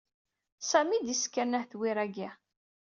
Sami i d isekren ahetwir-agi.